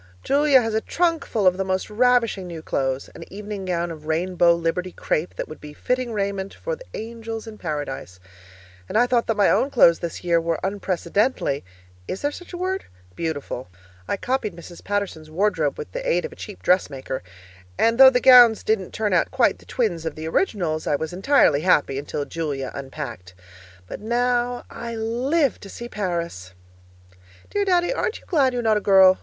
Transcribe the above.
Julia has a trunkful of the most ravishing new clothes an evening gown of rainbow Liberty crepe that would be fitting raiment for the angels in Paradise. And I thought that my own clothes this year were unprecedentedly (is there such a word?) beautiful. I copied Mrs. Paterson's wardrobe with the aid of a cheap dressmaker, and though the gowns didn't turn out quite twins of the originals, I was entirely happy until Julia unpacked. But now I live to see Paris! Dear Daddy, aren't you glad you're not a girl?